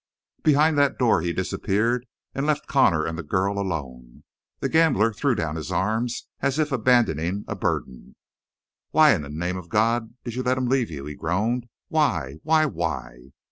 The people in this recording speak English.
Behind that door he disappeared, and left Connor and the girl alone. The gambler threw down his arms as if abandoning a burden. "Why in the name of God did you let him leave you?" he groaned. "Why? Why?